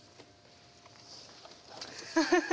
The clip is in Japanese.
フフフフ！